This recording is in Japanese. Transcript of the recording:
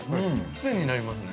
癖になりますね。